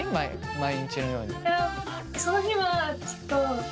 毎日のように。